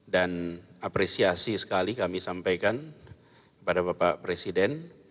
dan apresiasi sekali kami sampaikan kepada bapak presiden